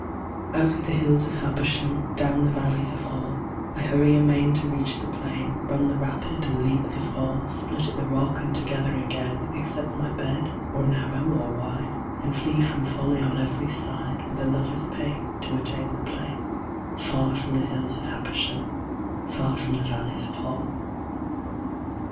Out of the hills of Habersham, Down the valleys of Hall, I hurry amain to reach the plain, Run the rapid and leap the fall, Split at the rock and together again, Accept my bed, or narrow or wide, And flee from folly on every side With a lover's pain to attain the plain Far from the hills of Habersham, Far from the valleys of Hall.